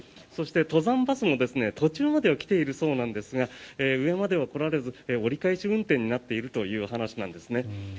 そして登山バスも、途中までは来ているそうなんですが上までは来られず折り返し運転になっているという話なんですね。